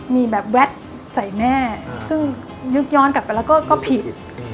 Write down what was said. มีแบบแวดใส่แม่ซึ่งนึกย้อนกลับไปแล้วก็ผิด